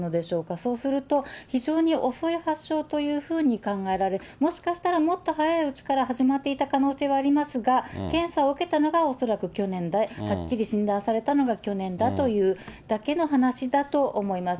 そうすると、非常に遅い発症というふうに考えられ、もしかしたらもっと早いうちから始まっていた可能性はありますが、検査を受けたのが恐らく去年で、はっきり診断されたのが去年だというだけの話だと思います。